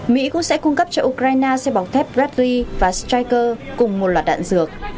mỹ cũng sẽ cung cấp cho ukraine xe bọc thép bradley và stryker cùng một loạt đạn dược